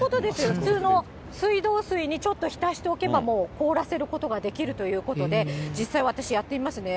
普通の水道水にちょっと浸しておけば、もう凍らせることができるということで、実際、私やってみますね。